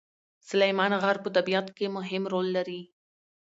سلیمان غر په طبیعت کې مهم رول لري.